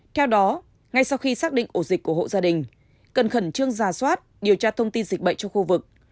theo đó ngay sau khi xác định ổ dịch của hộ gia đình cần khẩn trương ra soát điều tra thông tin dịch bệnh trong khu vực